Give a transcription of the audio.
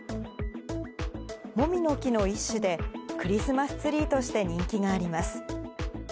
モミの木の一種で、クリスマスツリーとして人気があります。